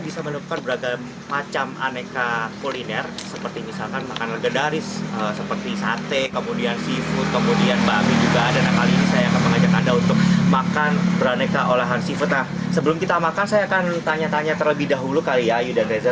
sekarang saya akan tanya tanya terlebih dahulu kali ya ayu dan reza